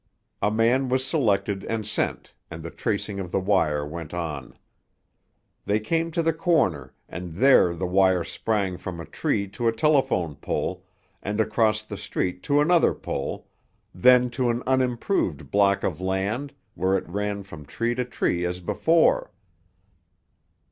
A man was selected and sent, and the tracing of the wire went on. They came to the corner, and there the wire sprang from a tree to a telephone pole, and across the street to another pole, then to an unimproved block of land, where it ran from tree to tree as before.